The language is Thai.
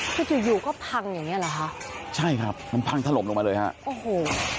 คืออยู่อยู่ก็พังอย่างเงี้เหรอคะใช่ครับมันพังถล่มลงมาเลยฮะโอ้โห